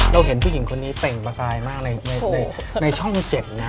เห็นผู้หญิงคนนี้เปล่งประกายมากในช่อง๗นะ